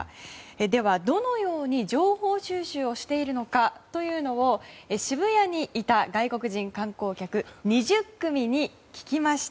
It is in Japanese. では、どのように情報収集をしているのかというのを渋谷にいた外国人観光客２０組に聞きました。